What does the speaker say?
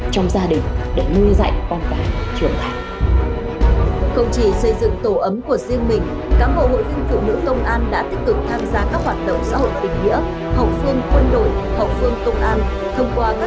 trong đó một mươi đồng chí nữ được thăng cấp hàm cấp tướng